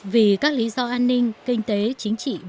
vì các lý do an ninh kinh tế chính trị và xã hội